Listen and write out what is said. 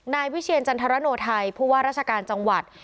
นายวิเชียรจันทรโนไทยผู้ว่าราชการจังหวัด